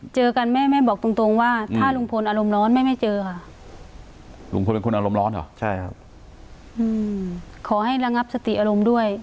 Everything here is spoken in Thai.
เจอกันได้ไหม